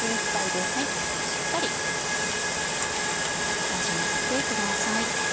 しっかりなじませてください。